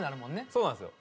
そうなんですよ。